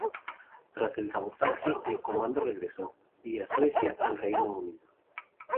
Tras el sabotaje el comando regresó, vía Suecia, al Reino Unido.